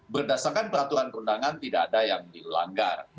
berdasarkan peraturan perundangan tidak ada yang dilanggar